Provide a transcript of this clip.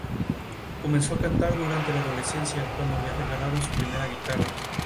Comenzó a cantar durante la adolescencia, cuando le regalaron su primera guitarra.